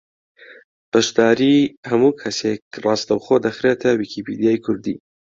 بەشداریی ھەموو کەسێک ڕاستەوخۆ دەخرێتە ویکیپیدیای کوردی